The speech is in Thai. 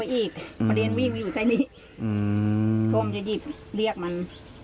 พอเรียนวิ่งอีกใกล้นิดโปร่งจะดิบเรียกมัน